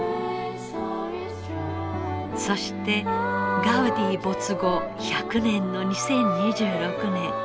そしてガウディ没後１００年の２０２６年。